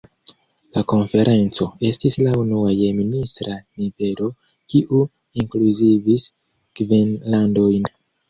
La konferenco estis la unua je ministra nivelo, kiu inkluzivis kvin landojn.